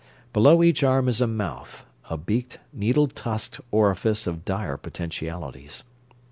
Below each arm is a mouth: a beaked, needle tusked orifice of dire potentialities.